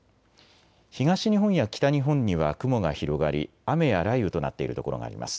東日本や北日本には雲が広がり雨や雷雨となっている所があります。